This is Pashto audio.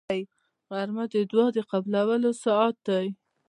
غرمه د دعا د قبولو ساعت دی